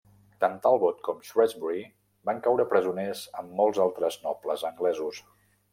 Tant Talbot com Shrewsbury van caure presoners amb molts altres nobles anglesos.